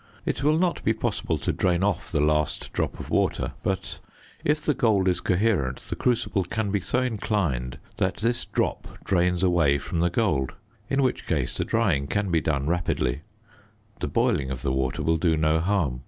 It will not be possible to drain off the last drop of water; but if the gold is coherent, the crucible can be so inclined that this drop drains away from the gold, in which case the drying can be done rapidly; the boiling of the water will do no harm.